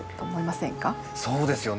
そうですよね。